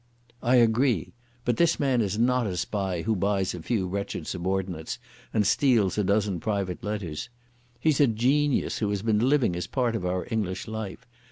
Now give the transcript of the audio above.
"I agree. But this man is not a spy who buys a few wretched subordinates and steals a dozen private letters. He's a genius who has been living as part of our English life.